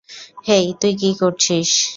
হেই, তুই কি করছিস?